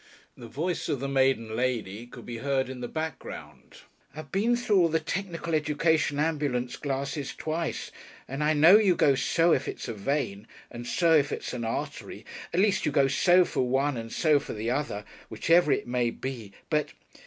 The voice of the maiden lady could be heard in the background. "I've been through all the technical education ambulance classes twice, and I know you go so if it's a vein, and so if it's an artery at least you go so for one and so for the other, whichever it may be; but...."